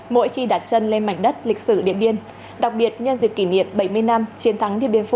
mỗi khi đặt chân lên mảnh đất lịch sử điện biên đặc biệt nhân dịp kỷ niệm bảy mươi năm chiến thắng điện biên phủ